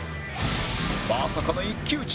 まさかの一騎打ち！